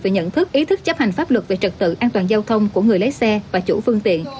về nhận thức ý thức chấp hành pháp luật về trật tự an toàn giao thông của người lấy xe và chủ phương tiện